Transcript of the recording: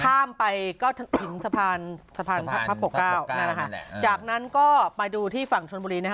ข้ามไปก็ถึงสะพานสะพานพระปกเก้านั่นแหละค่ะจากนั้นก็ไปดูที่ฝั่งชนบุรีนะคะ